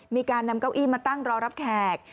มีการนำเก้าอี้มาตั้งรอรับแขก